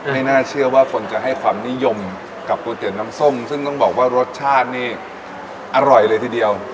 ไม่น่าเชื่อว่าคนจะให้ความนิยมกับก๋วยเตี๋ยวน้ำส้มซึ่งต้องบอกว่ารสชาตินี่อร่อยเลยทีเดียว